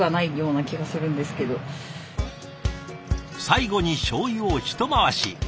最後にしょうゆを一回し。